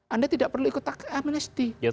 anda tidak perlu ikut tax amnesty